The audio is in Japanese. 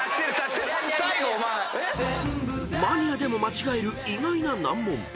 ［マニアでも間違える意外な難問］